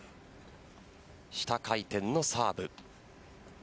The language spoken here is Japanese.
下回転のサーブ。